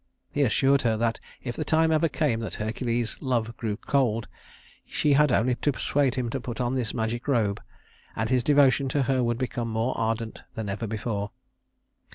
He assured her that if the time ever came that Hercules's love grew cold, she had only to persuade him to put on this magic robe, and his devotion to her would become more ardent than ever before.